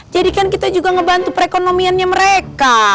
jadi kan kita juga ngebantu perekonomiannya mereka